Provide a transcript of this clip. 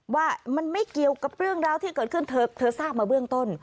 ว่ามันไม่เกี่ยวกับเรื่องราวที่เกิดขึ้นเธอทราบมาเบื้องต้น